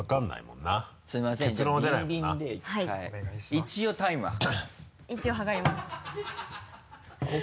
一応タイムは計る？